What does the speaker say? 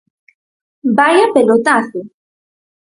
¡Vaia pelotazo!